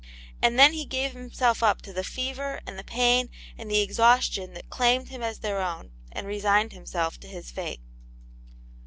And then he gave himself up to the fever and the pain and the exhaustion that claimed him as their own, and »• resigned himself to his fate.